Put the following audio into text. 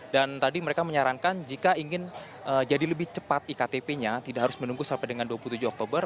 dan tadi mereka menyarankan jika ingin jadi lebih cepat iktp nya tidak harus menunggu sampai dengan dua puluh tujuh oktober